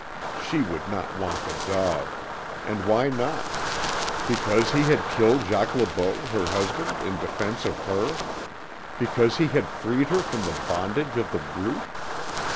SHE WOULD NOT WANT THE DOG! And why not? Because he had killed Jacques Le Beau, her husband, in defence of her? Because he had freed her from the bondage of The Brute?